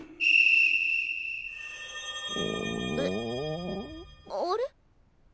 うっあれ？